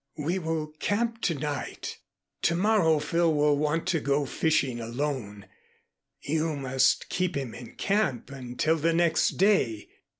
"We will camp to night. To morrow Phil will want to go fishing alone. You must keep him in camp until the next day.